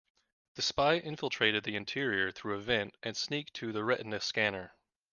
The spy infiltrated the interior through a vent and sneaked to the retina scanner.